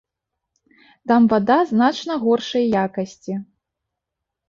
Там вада значна горшай якасці.